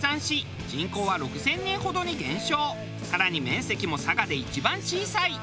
更に面積も佐賀で一番小さい。